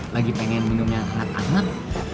lagi pengen minum yang anget anget